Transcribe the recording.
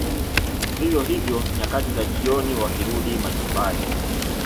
Vivyo hivyo nyakati za jioni wakirudi majumbani